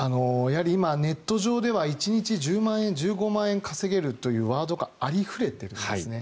今、ネット上では１日１０万円、１５万円稼げるというワードがありふれているんですね。